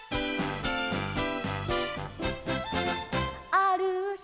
「あるひ」